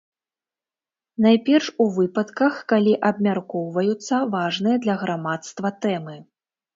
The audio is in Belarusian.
Найперш у выпадках, калі абмяркоўваюцца важныя для грамадства тэмы.